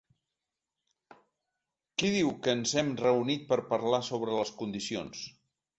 Qui diu que ens hem reunit per parlar sobre les condicions?